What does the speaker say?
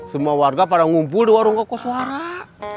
semua warga pada ngumpul di warung kekos warak